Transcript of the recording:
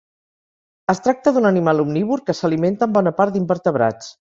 Es tracta d'un animal omnívor que s'alimenta en bona part d'invertebrats.